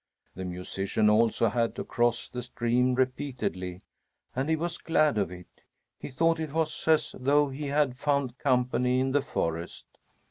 The musician also had to cross the stream repeatedly, and he was glad of it. He thought it was as though he had found company in the forest.